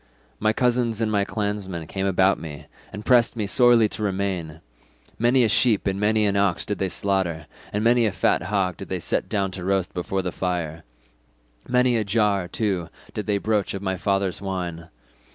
My cousins and clansmen came about me, and pressed me sorely to remain; many a sheep and many an ox did they slaughter, and many a fat hog did they set down to roast before the fire; many a jar, too, did they broach of my father's wine.